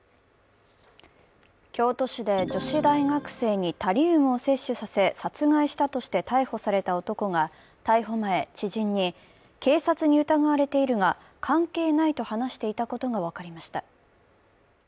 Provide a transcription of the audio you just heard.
京都市で女子大学生にタリウムを摂取させ、殺害したとして逮捕された男が逮捕前、知人に警察に疑われているが関係ないと話していたことが分かりました。